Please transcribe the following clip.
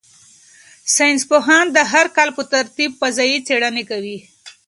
ساینس پوهان د هر کال په ترتیب فضايي څېړنې کوي.